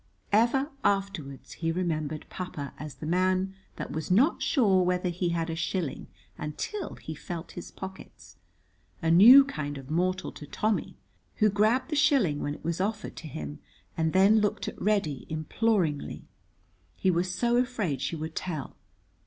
Ever afterwards he remembered Papa as the man that was not sure whether he had a shilling until he felt his pockets a new kind of mortal to Tommy, who grabbed the shilling when it was offered to him, and then looked at Reddy imploringly, he was so afraid she would tell.